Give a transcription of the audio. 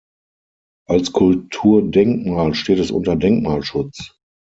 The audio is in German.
Als Kulturdenkmal steht es unter Denkmalschutz.